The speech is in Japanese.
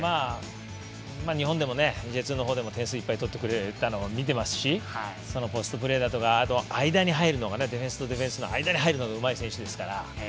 Ｊ２のほうでも点数いっぱいとってくれたの見ていますし、ポストプレーとか間に入るのがディフェンスとディフェンスの間に入るのがうまい選手ですから。